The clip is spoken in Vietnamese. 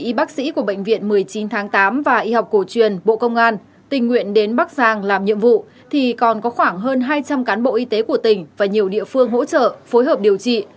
y bác sĩ của bệnh viện một mươi chín tháng tám và y học cổ truyền bộ công an tình nguyện đến bắc giang làm nhiệm vụ thì còn có khoảng hơn hai trăm linh cán bộ y tế của tỉnh và nhiều địa phương hỗ trợ phối hợp điều trị